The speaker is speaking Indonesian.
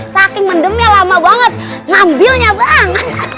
saking mendemnya lama banget ngambilnya banget